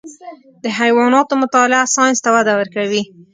د حیواناتو مطالعه ساینس ته وده ورکوي.